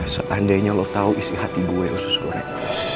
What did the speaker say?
seandainya lo tahu isi hati gue usus goreng